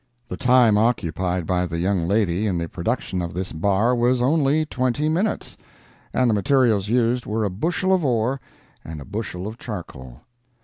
The time occupied by the young lady in the production of this bar was only twenty minutes, and the materials used were a bushel of ore and a bushel of charcoal.